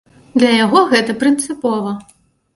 Для яго гэта прынцыпова.